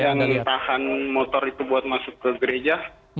yang tahan motor itu buat masuk ke gereja